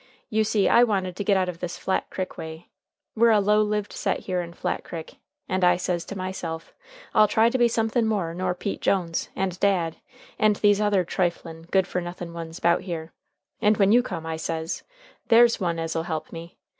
You see I wanted to git out of this Flat Crick way. We're a low lived set here in Flat Crick. And I says to myself, I'll try to be somethin' more nor Pete Jones, and dad, and these other triflin', good fer nothin' ones 'bout here. And when you come I says, There's one as'll help me.